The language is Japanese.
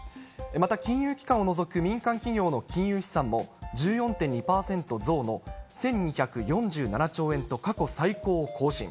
また金融機関を除く民間企業の金融資産も１４．２％増の１２４７兆円と、過去最高を更新。